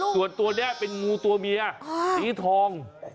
ส่วนตัวนี้เป็นงูตัวเมียสีทอง